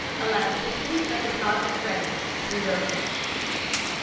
ELASTICITY OF DEPOSIT CREDIT (RESERVES).